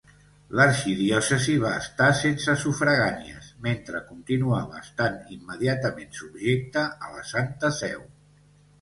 L'arxidiòcesi va estar sense sufragànies, mentre continuava estant immediatament subjecta a la Santa Seu.